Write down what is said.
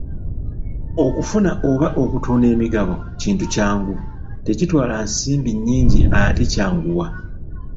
Okufuna oba okutunda emigabo kintu kyangu, tekitwala nsimbi nnyingi ate kyanguwa.